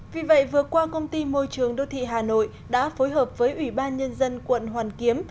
vì vậy vừa qua công ty môi trường đô thị hà nội đã phối hợp với ủy ban nhân dân quận hoàn kiếm